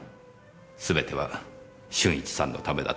すべては俊一さんのためだと信じて。